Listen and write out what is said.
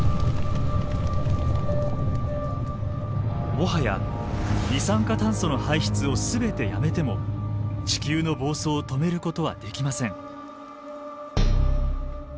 もはや二酸化炭素の排出を全てやめても地球の暴走を止めることはできません。